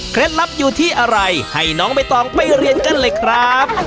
ลับอยู่ที่อะไรให้น้องใบตองไปเรียนกันเลยครับ